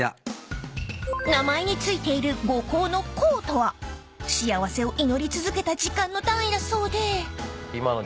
［名前に付いている「五劫」の「劫」とは幸せを祈り続けた時間の単位だそうで］